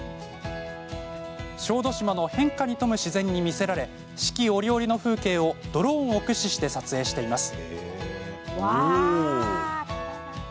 小豆島の変化に富む自然に魅せられ四季折々の風景をドローンを駆使して撮影しています。